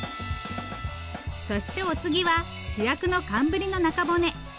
そしてお次は主役の寒ブリの中骨。